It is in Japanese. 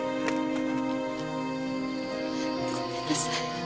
ごめんなさい。